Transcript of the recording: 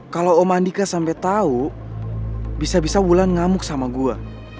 kalau om andika sampai tau bisa bisa wulan ngamuk sama gue